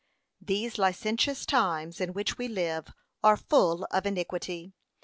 p. 538 These licentious times, in which we live, are full of iniquity.' p.